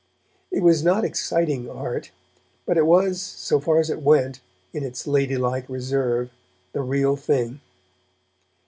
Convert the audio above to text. It was not exciting art, but it was, so far as it went, in its lady like reserve, the real thing.